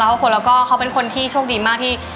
ครอบครัวแล้วก็เขาเป็นคนที่โชคดีมากที่